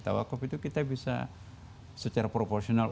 tawakob itu kita bisa secara proporsional